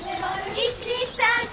１２３４！